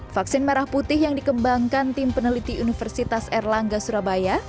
vaksin merah putih yang dikembangkan tim peneliti universitas erlangga surabaya